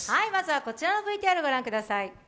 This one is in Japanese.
こちらのＶＴＲご覧ください。